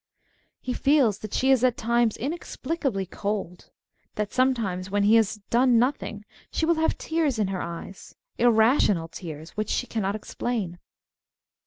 He feels that she is at times inexplicably cold; that, sometimes, when he has " done nothing " she will have tears in her eyes, irrational tears which she cannot explain.